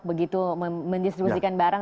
begitu mendistribusikan barang